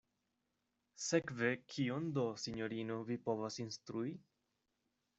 Sekve kion do, sinjorino, vi povas instrui?